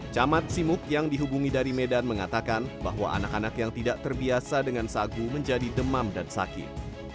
camat simuk yang dihubungi dari medan mengatakan bahwa anak anak yang tidak terbiasa dengan sagu menjadi demam dan sakit